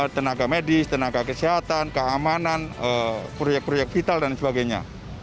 tenaga medis tenaga kesehatan keamanan proyek proyek vital dan sebagainya